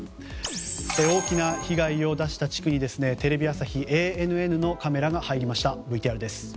大きな被害を出した地区にテレビ朝日、ＡＮＮのカメラが入りました。